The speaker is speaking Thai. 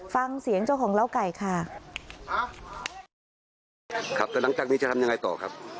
ฟังเสียงเจ้าของเล้าไก่ค่ะครับแต่หลังจากนี้จะทำยังไงต่อครับ